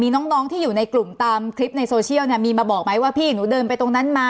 น้องที่อยู่ในกลุ่มตามคลิปในโซเชียลเนี่ยมีมาบอกไหมว่าพี่หนูเดินไปตรงนั้นมา